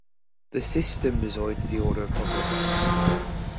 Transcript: The system decides the order of topics.